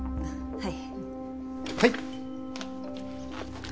はい。